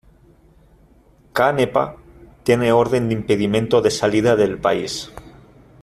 Cánepa tiene orden de impedimento de salida del país.